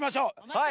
はい！